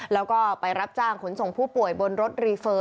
แล้วก็ไปรับจ้างขนส่งผู้ป่วยบนรถรีเฟอร์